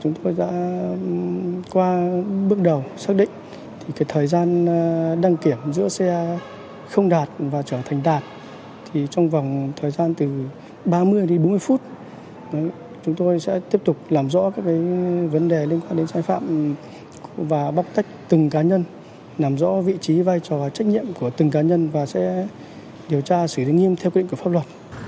chúng tôi đã qua bước đầu xác định thì cái thời gian đăng kiểm giữa xe không đạt và trở thành đạt thì trong vòng thời gian từ ba mươi đến bốn mươi phút chúng tôi sẽ tiếp tục làm rõ các vấn đề liên quan đến sai phạm và bóc tách từng cá nhân làm rõ vị trí vai trò trách nhiệm của từng cá nhân và sẽ điều tra xử lý nghiêm theo quy định của pháp luật